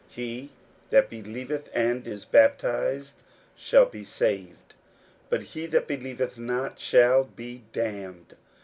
41:016:016 He that believeth and is baptized shall be saved; but he that believeth not shall be damned.